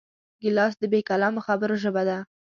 ګیلاس د بېکلامو خبرو ژبه ده.